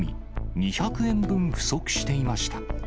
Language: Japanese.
２００円分不足していました。